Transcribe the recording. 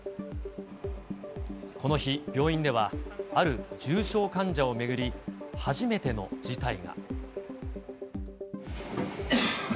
この日、病院ではある重症患者を巡り、初めての事態が。